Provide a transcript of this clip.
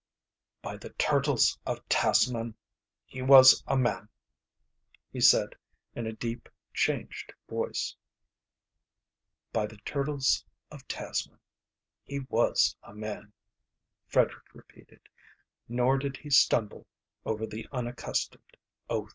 "By the turtles of Tasman, he was a man," he said, in a deep, changed voice. "By the turtles of Tasman, he was a man," Frederick repeated; nor did he stumble over the unaccustomed oath.